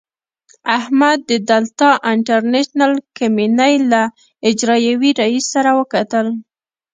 احمد د دلتا انټرنشنل کمينۍ له اجرائیوي رئیس سره وکتل.